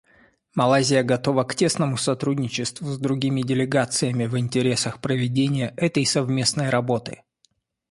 Малайзия готова к тесному сотрудничеству с другими делегациями в интересах проведения этой совместной работы.